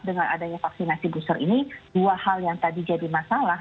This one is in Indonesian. dengan adanya vaksinasi booster ini dua hal yang tadi jadi masalah